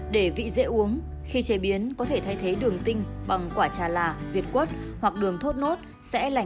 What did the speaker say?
để vị dễ uống khi chế biến có thể thay thế đường tinh bằng quả trà là việt quất hoặc đường thốt nốt sẽ lành mạnh với sức khỏe hơn